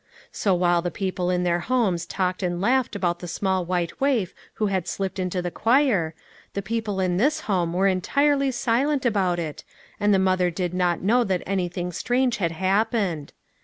So while the peo ple in their homes talked and laughed about the small white waif who had slipped into the choir, the people in this home were entirely silent about it, and the mother did not know that any thing strange had happened.